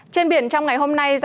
trên biển trong ngày hôm nay